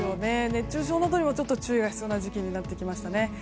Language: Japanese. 熱中症などにも注意が必要な時期になってきましたね。